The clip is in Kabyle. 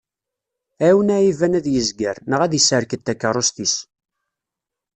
Ɛiwen aɛiban ad yezger, neɣ ad iserked takerrust-is.